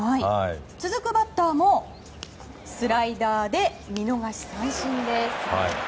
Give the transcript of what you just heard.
続くバッターもスライダーで見逃し三振です。